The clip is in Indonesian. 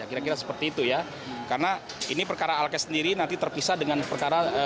kira kira seperti itu ya karena ini perkara alkes sendiri nanti terpisah dengan perkara